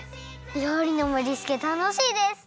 りょうりのもりつけたのしいです！